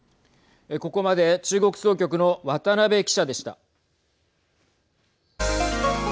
ここまで中国総局の渡辺記者でした。